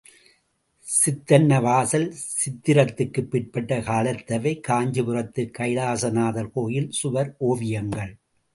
சித்தன்னவாசல் சித்திரத்துக்கு பிற்பட்ட காலத்தவை காஞ்சிபுரத்துக் கைலாசநாதர் கோயில் சுவர் ஓவியங்கள்.